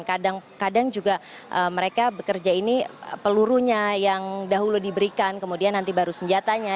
kadang kadang juga mereka bekerja ini pelurunya yang dahulu diberikan kemudian nanti baru senjatanya